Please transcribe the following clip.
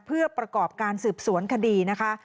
เพื่อประกอบการสืบสวนคดีนะคะ